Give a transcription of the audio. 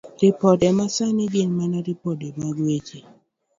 Ripode Masani Gin mana ripode mag weche